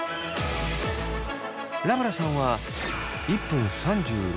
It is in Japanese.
ラブラさんは１分３６秒に。